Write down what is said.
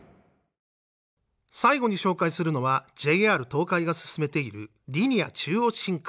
最後に紹介するのはＪＲ東海が進めているリニア中央新幹線。